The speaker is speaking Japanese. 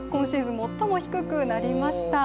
最も低くなりました。